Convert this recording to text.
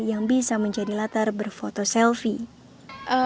yang bisa menjadi latar berfoto selfie